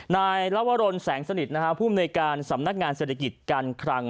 นายลวรนแสงสนิทผู้มนุยการสำนักงานเศรษฐกิจการคลัง